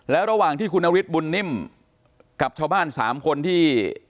แล้วระหว่างที่คุณนฤทธิบุญนิ่มกับชาวบ้าน๓คนที่